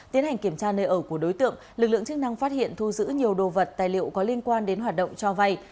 tiến hành kiểm tra nơi ở của đối tượng lực lượng chức năng phát hiện thu giữ nhiều đồ vật tài liệu có liên quan đến hoạt động cho vay